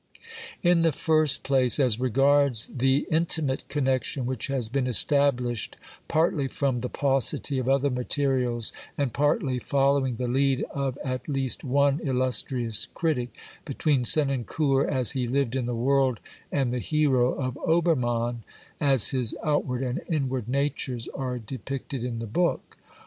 In the first place, as regards the intimate connection which has been established, partly from the paucity of other materials and partly following the lead of at least one illustrious critic, between Senancour as he lived in the world and the hero of Obermann as his outward and inward natures are depicted in the book.